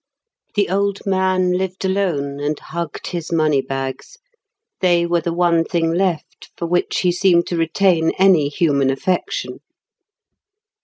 The old man lived alone, and hugged his money bags. They were the one thing left for which he seemed to retain any human affection.